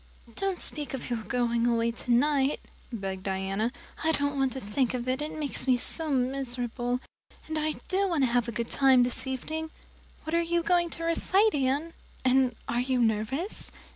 "Don't speak of your going away tonight," begged Diana. "I don't want to think of it, it makes me so miserable, and I do want to have a good time this evening. What are you going to recite, Anne? And are you nervous?"